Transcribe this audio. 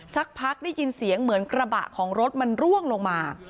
สักพักได้ยินเสียงเหมือนกระบะของรถมันร่วงลงมา